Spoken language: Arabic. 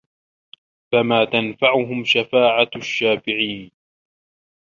فَما تَنفَعُهُم شَفاعَةُ الشّافِعينَ